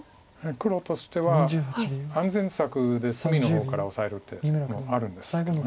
黒としては安全策で隅の方からオサえる手もあるんですけど。